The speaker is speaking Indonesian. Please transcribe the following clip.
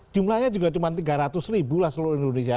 jumlahnya juga cuma tiga ratus ribu lah seluruh indonesia